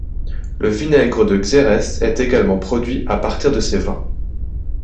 Le vinaigre de Xérès est également produit à partir de ces vins.